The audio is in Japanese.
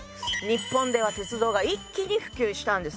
日本では鉄道が一気に普及したんです。